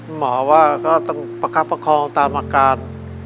หมอว่าก็ต้องประคับประคองตามอาการ